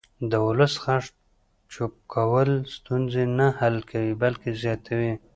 د ولس غږ چوپ کول ستونزې نه حل کوي بلکې زیاتوي